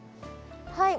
はい。